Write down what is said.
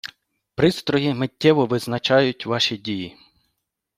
Пристрої миттєво визначають ваші дії.